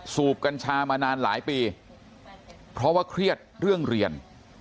สูบกัญชามานานหลายปีเพราะว่าเครียดเรื่องเรียน